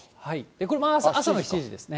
これ、朝の７時ですね。